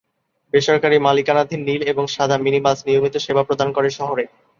বেসরকারি মালিকানাধীন নীল এবং সাদা মিনি বাস নিয়মিত সেবা প্রদান করে শহরে।